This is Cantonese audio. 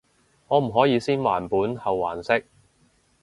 可唔可以先還本後還息？